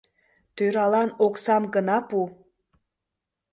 Тӧралан оксам гына пу.